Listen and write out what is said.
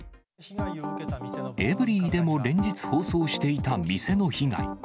エブリィでも連日、放送していた店の被害。